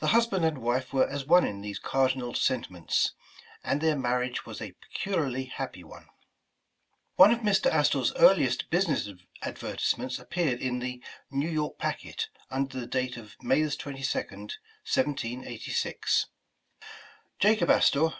The husband and wife were as one in these cardinal sentiments, and their marriage was a peculiarly happy one. One of Mr. Astor 's earliest business advertisements appeared in the "New York Packet" under date of May 22nd, 1786. 'Macob Astor, No.